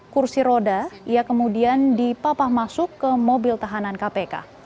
kursi roda ia kemudian dipapah masuk ke mobil tahanan kpk